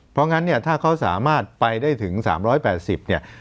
เพราะงั้นเนี่ยถ้าเขาสามารถไปได้ถึง๓๘๐เนี่ย